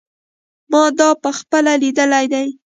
ما دا په خپله لیدلی دی.